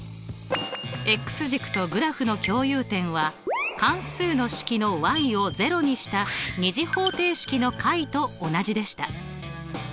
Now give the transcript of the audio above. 軸とグラフの共有点は関数の式のを０にした２次方程式の解と同じでした。